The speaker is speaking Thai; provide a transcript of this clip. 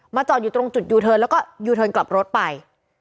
จอดอยู่ตรงจุดยูเทิร์นแล้วก็ยูเทิร์นกลับรถไป